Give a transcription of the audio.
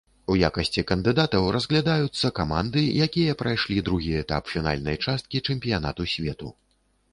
У якасці кандыдатаў разглядаюцца каманды, якія прайшлі другі этап фінальнай часткі чэмпіянату свету.